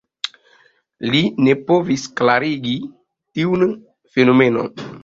Li ne povis klarigi tiun fenomenon.